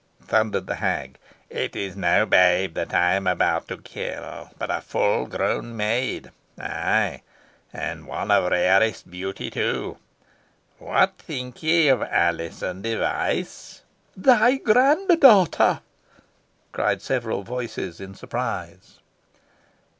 thundered the hag "It is no babe I am about to kill, but a full grown maid ay, and one of rarest beauty, too. What think ye of Alizon Device?" "Thy grand daughter!" cried several voices, in surprise.